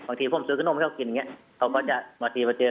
บางทีผมซื้อขนมเข้ากินเนี้ยเขาก็จะบางทีมาเจอ